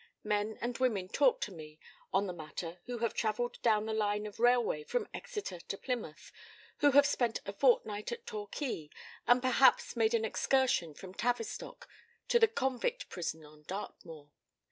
Men and women talk to me on the matter who have travelled down the line of railway from Exeter to Plymouth, who have spent a fortnight at Torquay, and perhaps made an excursion from Tavistock to the convict prison on Dartmoor.